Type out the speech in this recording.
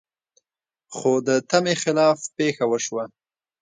خو د تمې خلاف پېښه وشوه.